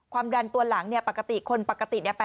ความดันตัวหลังคนปกติใน๘๐